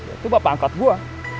itu bapak angkat gue